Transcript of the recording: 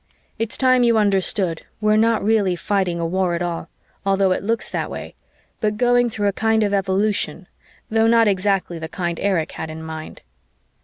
It's time you understood we're not really fighting a war at all, although it looks that way, but going through a kind of evolution, though not exactly the kind Erich had in mind.